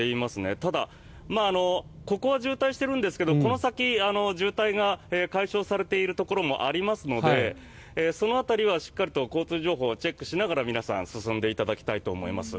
ただ、ここは渋滞しているんですがこの先、渋滞が解消されているところもありますのでその辺りはしっかりと交通情報をチェックしながら皆さん、進んでいただきたいと思います。